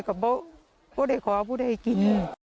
แก้แก้ได้ขอแก้ได้กิน